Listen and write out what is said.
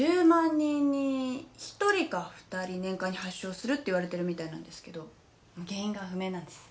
人に１人か２人年間に発症するって言われてるみたいなんですけど原因が不明なんです。